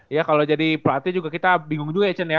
ya kalau jadi pelatih juga kita bingung juga ya chen ya